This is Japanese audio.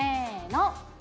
の